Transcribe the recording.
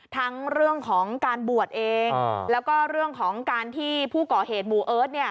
ทั้งเรื่องของการบวชเองแล้วก็เรื่องของการที่ผู้ก่อเหตุหมู่เอิร์ท